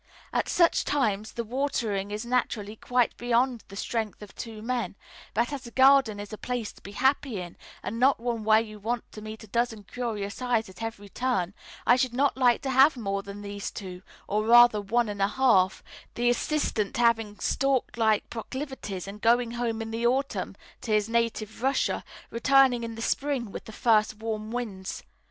At such times the watering is naturally quite beyond the strength of two men; but as a garden is a place to be happy in, and not one where you want to meet a dozen curious eyes at every turn, I should not like to have more than these two, or rather one and a half the assistant having stork like proclivities and going home in the autumn to his native Russia, returning in the spring with the first warm winds.